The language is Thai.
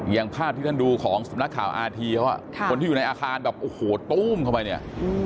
อย่างภาพที่ท่านดูของสำนักข่าวอาทีเขาคนที่อยู่ในอาคารแบบโอ้โหตู้มเข้าไปเนี่ย